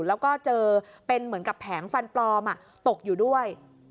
แล้วก็เจอเป็นเหมือนกับแผงฟันปลอมตกอยู่ด้วย